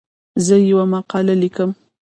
زه یوه مقاله لیکم.